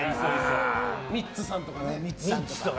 ミッツさんとかね。